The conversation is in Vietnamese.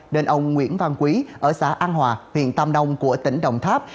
nên ông nguyễn văn quý ở xã an hòa huyện tàm đông của tỉnh đồng tháp